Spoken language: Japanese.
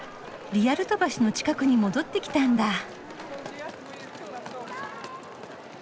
リアルト橋の近くに戻ってきたんだ。